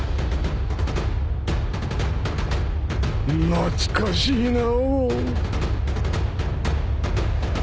懐かしいな。